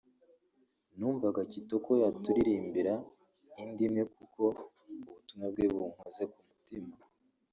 « Numvaga Kitoko yaturirimbira indi imwe kuko ubutumwa bwe bunkoze ku mutima